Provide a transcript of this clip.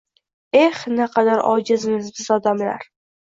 Eh, naqadar ojizmiz biz odamlar